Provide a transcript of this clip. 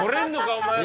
お前ら！